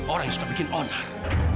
orang yang suka bikin onar